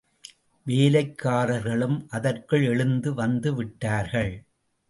வேலைக்காரர்களும் அதற்குள் எழுந்து வந்துவிட்டார்கள்.